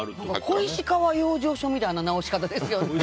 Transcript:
小石川養生所みたいな治し方ですね。